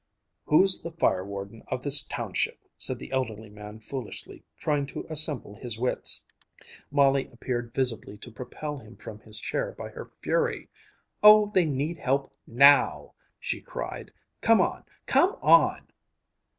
"Who's the fire warden of this township?" said the elderly man foolishly, trying to assemble his wits. Molly appeared visibly to propel him from his chair by her fury. "Oh, they need help NOW!" she cried. "Come on! Come on!"